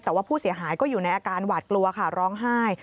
แต่ว่าผู้เสียหายก็อยู่ในอาการหวาดกลัวค่ะร้องไห้